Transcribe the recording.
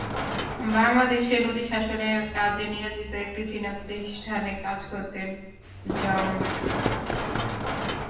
বাংলাদেশে নদী শাসনের কাজে নিয়োজিত একটি চীনা প্রতিষ্ঠানে কাজ করতেন জাং।